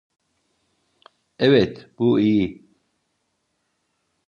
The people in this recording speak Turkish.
Evet, bu iyi.